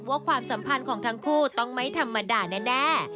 ความสัมพันธ์ของทั้งคู่ต้องไม่ธรรมดาแน่